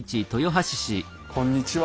こんにちは。